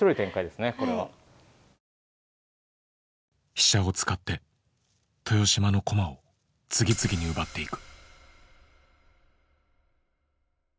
飛車を使って豊島の駒を次々に奪っていく。